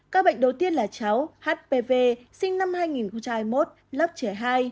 các bệnh đầu tiên là cháu hpv sinh năm hai nghìn hai mươi một lớp trẻ hai